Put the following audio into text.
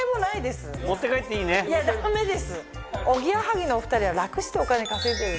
おぎやはぎのお２人は楽してお金稼いでるんで。